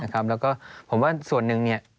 แล้วก็ผมว่าส่วนหนึ่ง